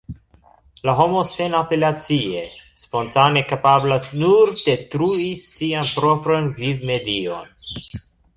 La homo senapelacie, spontane kapablas nur detrui sian propran vivmedion.